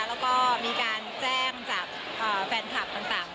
แล้วก็มีการแจ้งจากแฟนคลับต่าง